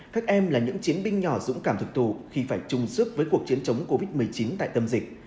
các em là những chiến binh nhỏ dũng cảm thực khi phải chung sức với cuộc chiến chống covid một mươi chín tại tâm dịch